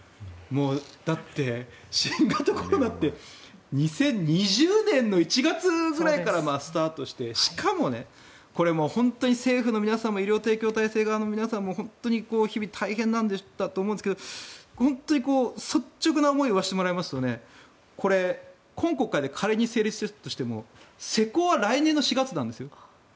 だって、新型コロナって２０２０年の１月ぐらいからスタートして、しかもこれ本当に政府の皆さんも医療提供体制側の皆さんも日々大変だと思うんですけど本当に率直な思いを言わせてもらうとこれ、今国会で仮に成立したとしても施行は来年４月なんですよ。